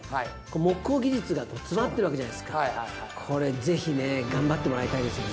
木工技術が詰まってるわけじゃないですかこれぜひね頑張ってもらいたいですよね